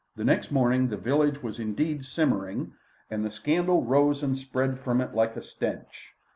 Next morning the village was indeed simmering, and the scandal rose and spread from it like a stench.